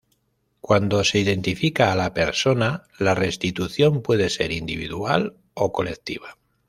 Cuando se identifica a la persona, la restitución puede ser individual o colectiva.